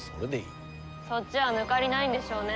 そっちは抜かりないんでしょうね？